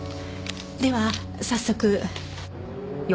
では早速。